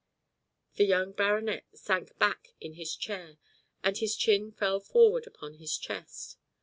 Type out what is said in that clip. The young baronet sank back in his chair, and his chin fell forwards upon his chest.